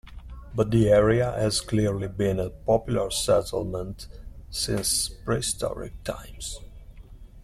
But the area has clearly been a popular settlement since prehistoric times.